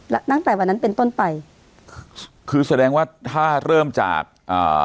แล้วตั้งแต่วันนั้นเป็นต้นไปคือแสดงว่าถ้าเริ่มจากอ่า